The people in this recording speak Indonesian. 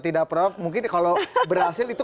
tidak prof mungkin kalau berhasil itu